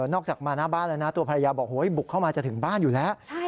จากมาหน้าบ้านแล้วนะตัวภรรยาบอกบุกเข้ามาจะถึงบ้านอยู่แล้ว